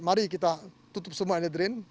mari kita tutup semua inlet drain